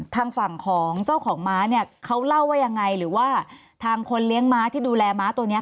ทางฝั่งของเจ้าของม้าเนี่ยเขาเล่าว่ายังไงหรือว่าทางคนเลี้ยงม้าที่ดูแลม้าตัวนี้